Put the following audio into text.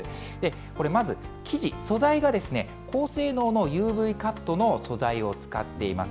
これ、まず、生地、素材が高性能のＵＶカットの素材を使っています。